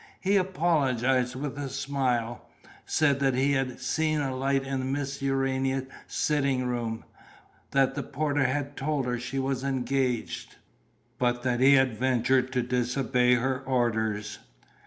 He apologized with a smile, said that he had seen a light in Miss Urania's sitting room, that the porter had told him she was engaged, but that he had ventured to disobey her orders.